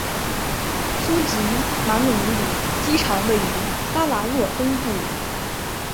苏吉马努鲁机场位于拉瓦若东部。